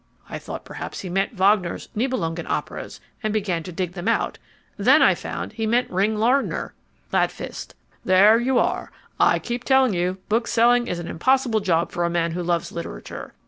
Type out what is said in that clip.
I thought perhaps he meant Wagner's Nibelungen operas, and began to dig them out. Then I found he meant Ring Lardner. GLADFIST There you are. I keep telling you bookselling is an impossible job for a man who loves literature.